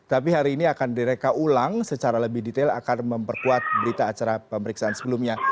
tapi hari ini akan direka ulang secara lebih detail akan memperkuat berita acara pemeriksaan sebelumnya